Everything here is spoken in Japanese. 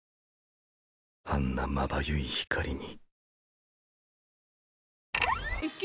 あんなまばゆい光に